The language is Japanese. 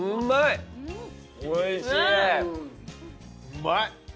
うまい。